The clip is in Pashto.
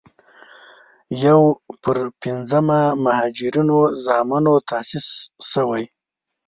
یو پر پينځمه مهاجرینو زامنو تاسیس شوې.